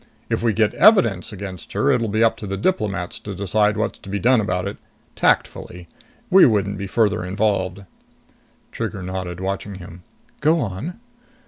If we get evidence against her, it'll be up to the diplomats to decide what's to be done about it. Tactfully. We wouldn't be further involved." Trigger nodded, watching him. "Go on."